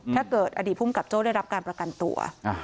ถ้าเกิดอดีตผู้กับโจ้ได้รับการประกันตัว